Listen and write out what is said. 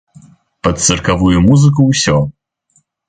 Пад цыркавую музыку ўсё.